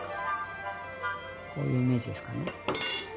こういうイメージですかね？